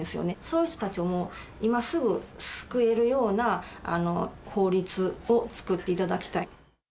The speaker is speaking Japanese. そういう人たちを今すぐ救えるような法律を作っていただきたい。